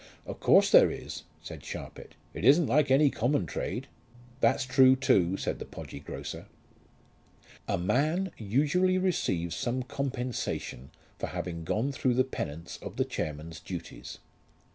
"Of course there is," said Sharpit; "it isn't like any common trade." "That's true too," said the podgy grocer. A man usually receives some compensation for having gone through the penance of the chairman's duties.